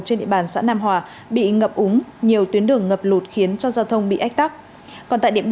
trên địa bàn xã nam hòa bị ngập úng nhiều tuyến đường ngập lụt khiến cho giao thông bị ách tắc